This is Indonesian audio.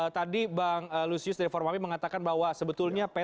tadi bang lusus dari formami mengatakan bahwa sebetulnya peta